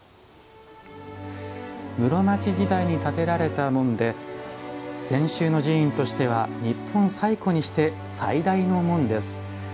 室町時代に建てられた門で禅宗の寺院としては日本最古にして最大の門です。